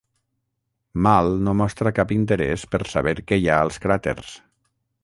Mal no mostra cap interès per saber què hi ha als cràters.